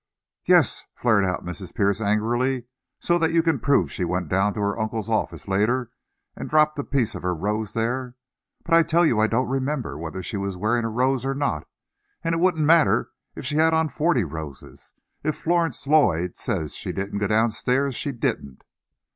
"Yes," flared out Mrs. Pierce angrily, "so that you can prove she went down to her uncle's office later and dropped a piece of her rose there! But I tell you I don't remember whether she was wearing a rose or not, and it wouldn't matter if she had on forty roses! If Florence Lloyd says she didn't go down stairs, she didn't."